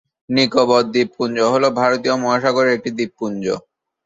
নিকোবর দ্বীপপুঞ্জ হল ভারত মহাসাগর-এর একটি দ্বীপপুঞ্জ।